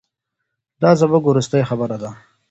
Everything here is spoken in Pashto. دا زموږ وروستۍ خبره ده.